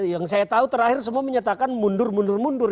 yang saya tahu terakhir semua menyatakan mundur mundur mundur mundur